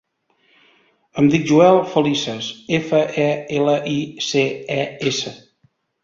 Em dic Joel Felices: efa, e, ela, i, ce, e, essa.